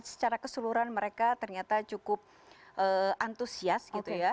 secara keseluruhan mereka ternyata cukup antusias gitu ya